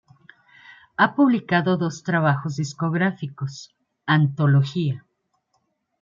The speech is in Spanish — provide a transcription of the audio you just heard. Ha publicado dos trabajos discográficos: Antología.